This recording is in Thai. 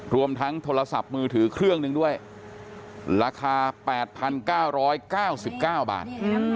รวมทั้งโทรศัพท์มือถือเครื่องหนึ่งด้วยราคา๘๙๙๙บาท